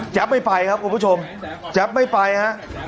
ไม่ไปครับคุณผู้ชมแจ๊บไม่ไปฮะ